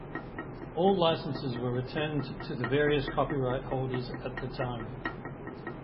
All licenses were returned to the various copyright holders at that time.